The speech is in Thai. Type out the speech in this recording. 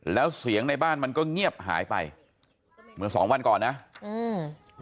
แล้วเสียงในบ้านมันก็เงียบหายไปเมื่อสองวันก่อนนะอืม